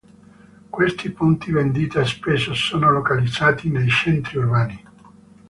Questi punti vendita spesso sono localizzati nei centri urbani.